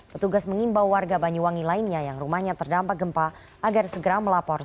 petugas mengimbau warga banyuwangi lainnya yang rumahnya terdampak gempa agar segera melapor